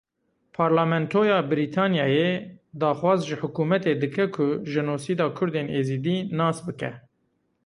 Parlamentoya Brîtanyayê daxwaz ji hikûmetê dike ku jenosîda Kurdên Êzidî nas bike.